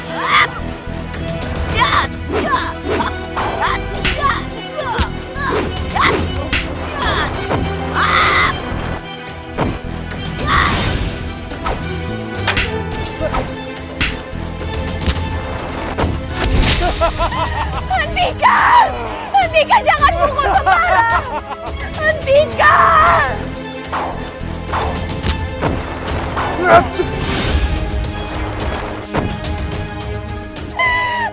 hentikan hentikan jangan pukul sembara hentikan